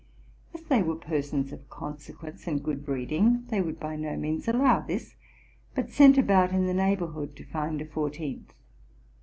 '' As they were persons of consequence and good breeding, they would by no means allow this, but sent about in the neighborhood to find a fourteenth.